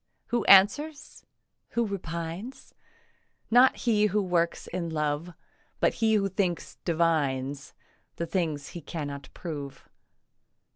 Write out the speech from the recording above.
Who answers, who repines? Not he who works in love, But he who thinks divines The thing he cannot prove.